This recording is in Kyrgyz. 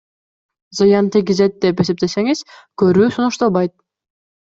Зыян тийгизет деп эсептесеңиз, көрүү сунушталбайт.